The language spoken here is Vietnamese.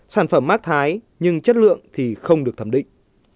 sản phẩm mác thái nhưng chất lượng thì không được thẩm định